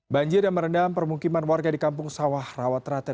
banjir yang merendam permukiman warga di kampung sawah rawaterate